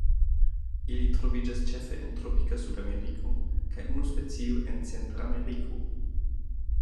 Ili troviĝas ĉefe en tropika Sudameriko, kaj unu specio en Centrameriko.